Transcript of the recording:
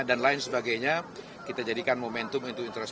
dan lain sebagainya kita jadikan momentum